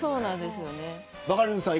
バカリズムさん